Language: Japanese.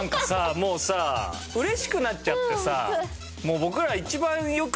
もうさ嬉しくなっちゃってさ。